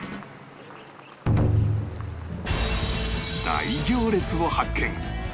大行列を発見